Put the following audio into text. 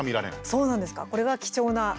そうなんですかこれは貴重な。